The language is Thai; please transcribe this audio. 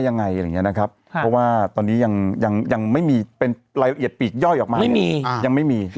ยังไงอย่างเงี้ยนะครับเพราะว่าตอนนี้ยังยังยังไม่มีเป็นรายละเอียดปีดย่อยออกมายังไม่มียังไม่มี